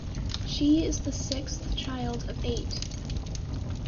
She is the sixth child of eight.